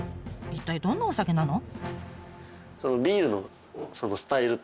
一体どんなお酒なの？